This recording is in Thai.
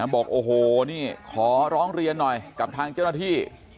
บอกโอ้โหนี่ขอร้องเรียนหน่อยกับทางเจ้าหน้าที่